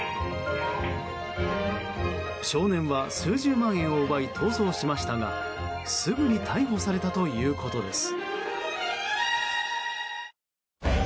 少年は数十万円を奪い逃走しましたがすぐに逮捕されたということです。